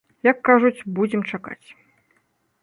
Як кажуць, будзем чакаць.